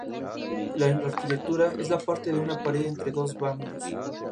Su labor investigadora abarca múltiples temas relacionados con el funcionamiento del corazón.